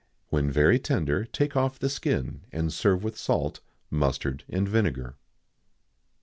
When very tender take off the skin, and serve with salt, mustard, and vinegar.